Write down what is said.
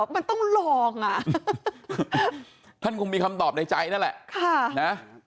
มันต้องลองอ่ะท่านคงมีคำตอบในใจนั่นแหละ